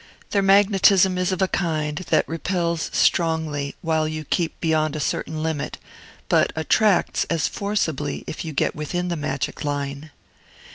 Their magnetism is of a kind that repels strongly while you keep beyond a certain limit, but attracts as forcibly if you get within the magic line.